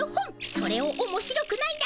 それをおもしろくないなどとは。